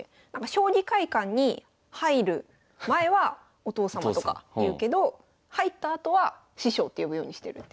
将棋会館に入る前はお父様とか言うけど入ったあとは師匠って呼ぶようにしてるって。